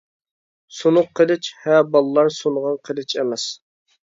سۇنۇق قىلىچ ھە باللار سۇنغان قىلىچ ئەمەس.